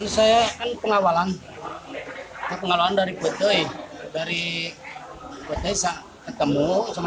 saya kasih tau